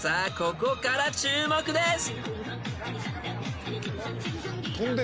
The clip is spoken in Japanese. ここから注目です］